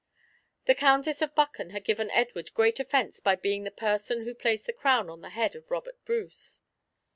The Countess of Buchan had given Edward great offence by being the person who placed the crown on the head of Robert Bruce.